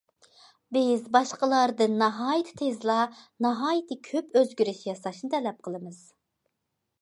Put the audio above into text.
بىز باشقىلاردىن ناھايىتى تېزلا ناھايىتى كۆپ ئۆزگىرىش ياساشنى تەلەپ قىلىمىز.